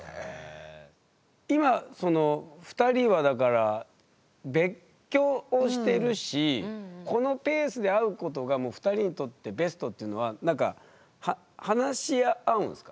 今２人はだから別居をしてるしこのペースで会うことが２人にとってベストっていうのはなんか話し合うんですか？